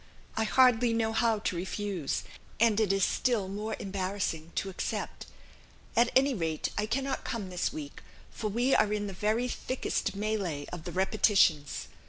I hardly know how to refuse, and it is still more embarrassing to accept. At any rate, I cannot come this week, for we are in the very thickest melee of the Repetitions.